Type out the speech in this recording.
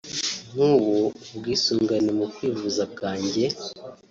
“Nk’ubu ubwisungane mu kwivuza bwanjye